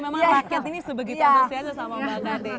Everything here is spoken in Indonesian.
memang rakyat ini sebegitu ambasnya aja sama mbak kadhi